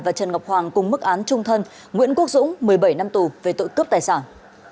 và trần ngọc hoàng cùng mức án trung thân nguyễn quốc dũng một mươi bảy năm tù về tội cướp tài sản